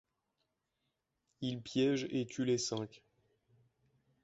Il piège et tue les cinq.